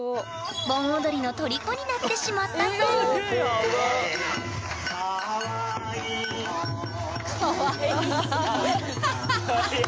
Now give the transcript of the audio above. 盆踊りのとりこになってしまったそうハハハ！